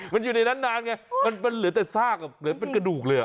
มันอยู่ในนั้นนานไงมันเหลือแต่ซากเหลือเป็นกระดูกเลย